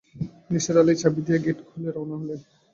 নিসার আলি চাবি দিয়ে গেট খুলে রওনা হলেন।